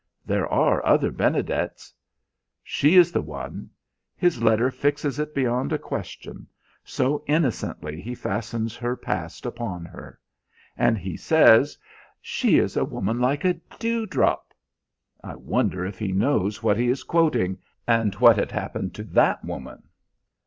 There are other Benedets." "She is the one. His letter fixes it beyond a question so innocently he fastens her past upon her! And he says, 'She is "a woman like a dewdrop."' I wonder if he knows what he is quoting, and what had happened to that woman!"